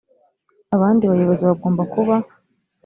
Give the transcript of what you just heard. abandi bayobozi bagomba kuba